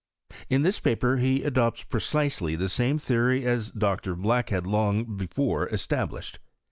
In this paper he adopts precisely the same theory as Dr. Black had long before established.